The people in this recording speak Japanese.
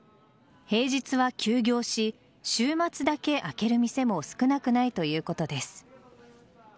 平日は休業し週末だけ開ける店も少なくないということです。